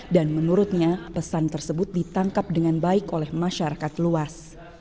dan menurutnya pesan tersebut ditangkap dengan baik oleh masyarakat luas